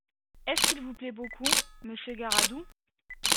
Est-ce qu’il vous plaît beaucoup, Monsieur Garadoux ?